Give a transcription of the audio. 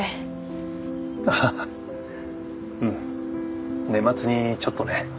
アハハうん年末にちょっとね。